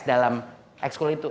dalam sekolah itu